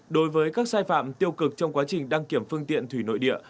đối với các sai phạm tiêu cực trong quá trình đăng kiểm phương tiện thủy nội địa